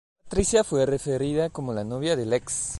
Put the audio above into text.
Patricia fue referida como la novia de Lex.